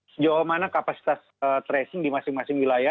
sejauh mana kapasitas tracing di masing masing wilayah